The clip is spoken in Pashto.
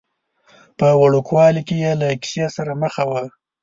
په وړوکوالي کې یې له کیسې سره مخه وه.